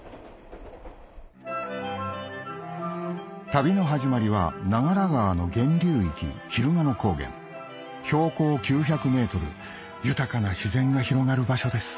旅の始まりは長良川の源流域ひるがの高原標高９００ｍ豊かな自然が広がる場所です